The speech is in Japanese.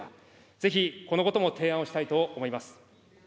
ぜひこのことも提案をしたいと思います。